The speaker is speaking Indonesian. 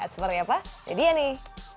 seperti apa jadi ya nih